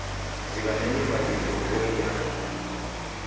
Zinghanenyi maw'ingu vua inyaa kafwani.